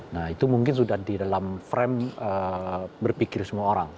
nah itu mungkin sudah di dalam frame berpikir semua orang